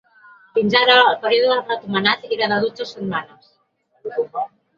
Fins ara, el període recomanat era de dotze setmanes.